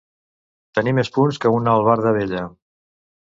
Tenir més punts que una albarda vella.